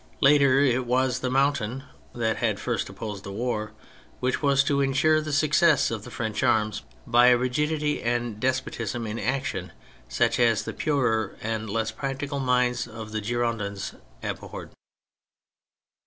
Later, it was the Mountain (that had first opposed the war) which was to ensure the success of the French arms by a rigidity and despotism in action such as the purer and less practical minds of the Girondins abhorred.